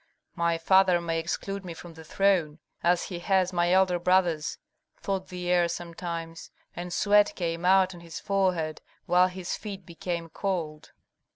"My father may exclude me from the throne, as he has my elder brothers," thought the heir sometimes; and sweat came out on his forehead, while his feet became cold.